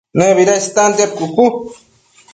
¿Nëbida istantiad cucu?